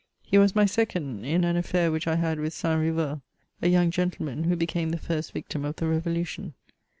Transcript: He was my second in an affair which I had with St. Riyeul, a young gentleman, who hecame the first victim of the revo lution.